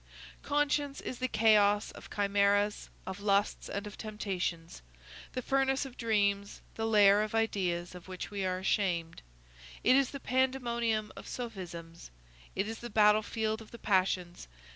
Conscience is the chaos of chimæras, of lusts, and of temptations; the furnace of dreams; the lair of ideas of which we are ashamed; it is the pandemonium of sophisms; it is the battlefield of the passions.